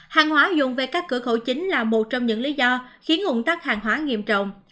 hàng hóa dùng về các cửa khẩu chính là một trong những lý do khiến ủng tắc hàng hóa nghiêm trọng